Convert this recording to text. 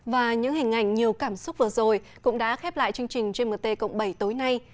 và những hình ảnh nhiều cảm xúc vừa rồi cũng đã khép lại chương trình gmt cộng bảy tối nay